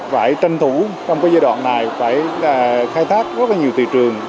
phải tranh thủ trong giai đoạn này phải khai thác rất nhiều thị trường